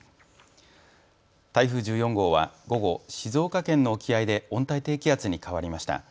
台風１４号は午後、静岡県の沖合で温帯低気圧に変わりました。